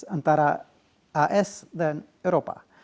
antara as dan eropa